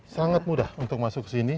sangat mudah untuk masuk ke sini